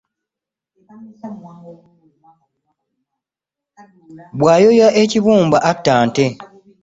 Bw’ayoya ekibumba atta nte.